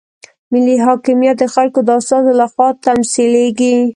ملي حاکمیت د خلکو د استازو لخوا تمثیلیږي.